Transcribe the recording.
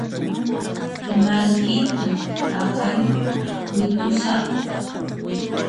Mallkitan paqarin wit'usaqku